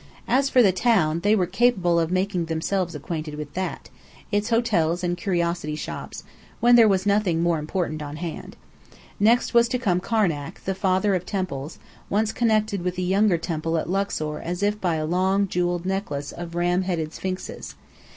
As for the town, they were capable of making themselves acquainted with that, its hotels and curiosity shops, when there was nothing more important on hand. Next was to come Karnak, the "father of temples," once connected with the younger temple at Luxor as if by a long jewelled necklace of ram headed sphinxes.